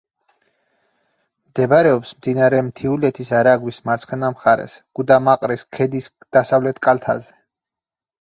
მდებარეობს მდინარე მთიულეთის არაგვის მარცხენა მხარეს, გუდამაყრის ქედის დასავლეთ კალთაზე.